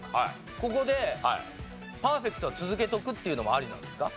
ここでパーフェクトは続けとくっていうのもありなんですか？